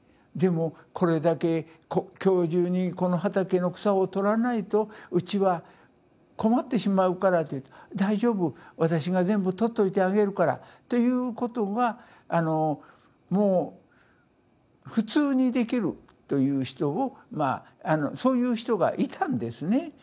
「でもこれだけ今日中にこの畑の草を取らないとうちは困ってしまうから」と言うと「大丈夫私が全部取っといてあげるから」ということがもう普通にできるという人をまあそういう人がいたんですね。